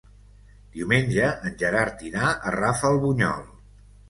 Diumenge en Gerard irà a Rafelbunyol.